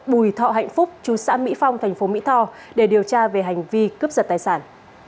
bùi thọ hạnh phúc chú sãn mỹ phong thành phố mỹ tho để điều tra về hành vi cướp giật tài sản